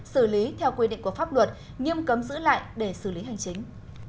xử lý theo quy định của pháp luật nghiêm cấm giữ lại để xử lý hành chính